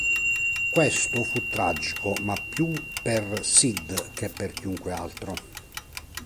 Questo fu tragico ma più per Sid che per chiunque altro.